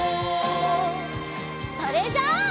それじゃあ。